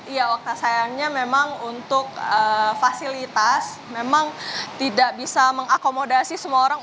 iya okta sayangnya memang untuk fasilitas memang tidak bisa mengakomodasi semua orang